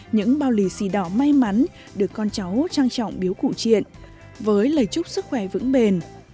những bao lì xì đỏ may mắn được con cháu trang trọng biếu cụ truyện với lời chúc sức khỏe vững bền